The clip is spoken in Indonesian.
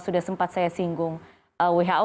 sudah sempat saya singgung who